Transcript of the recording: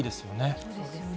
そうですよね。